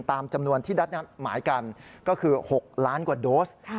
ตามจำนวนที่นัดหมายกันก็คือ๖ล้านกว่าโดส